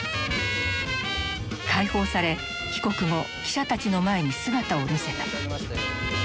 解放され帰国後記者たちの前に姿を見せた。